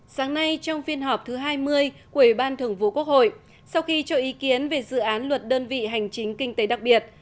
sáng nay trong phiên họp thứ hai mươi của ủy ban thường vụ quốc hội sau khi cho ý kiến về dự án luật đơn vị hành chính kinh tế đặc biệt